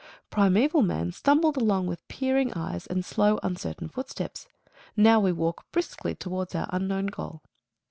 Primeval man stumbled along with peering eyes, and slow, uncertain footsteps. Now we walk briskly towards our unknown goal.